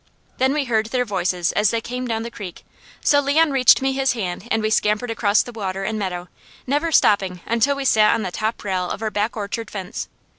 Then we heard their voices as they came down the creek, so Leon reached me his hand and we scampered across the water and meadow, never stopping until we sat on the top rail of our back orchard fence.